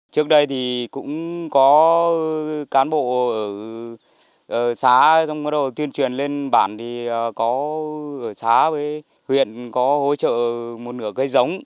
trước đây thì cũng có cán bộ ở xã song khổ tuyên truyền lên bản thì có xã với huyện có hỗ trợ một nửa cây giống